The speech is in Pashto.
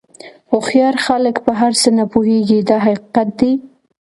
هوښیار خلک په هر څه نه پوهېږي دا حقیقت دی.